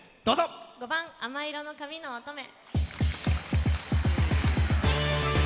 ５番「亜麻色の髪の乙女」。